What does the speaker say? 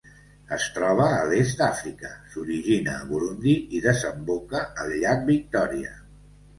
Es troba a l'est d'Àfrica, s'origina a Burundi i desemboca al llac Victòria.